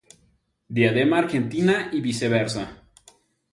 Diadema Argentina y viceversa.